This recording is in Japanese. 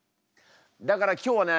だから今日はね